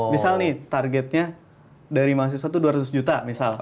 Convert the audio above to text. misalnya nih targetnya dari mahasiswa tuh dua ratus juta misalnya